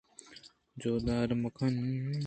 چو دار ءَ مِکّ اِنت